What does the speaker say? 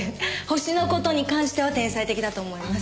星の事に関しては天才的だと思います。